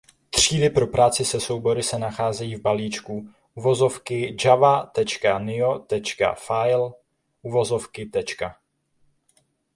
Třídy pro práci se soubory se nacházejí v balíčku "java.nio.file".